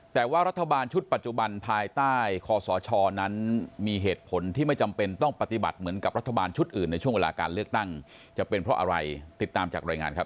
แต่ว่ารัฐบาลชุดปัจจุบันภายใต้คอสชนั้นมีเหตุผลที่ไม่จำเป็นต้องปฏิบัติเหมือนกับรัฐบาลชุดอื่นในช่วงเวลาการเลือกตั้งจะเป็นเพราะอะไรติดตามจากรายงานครับ